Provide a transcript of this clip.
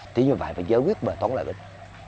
tí như vậy phải giới quyết về tốn lợi ích